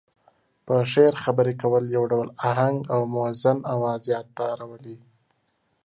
په شعر خبرې کول يو ډول اهنګ او موزون اواز ياد ته راولي.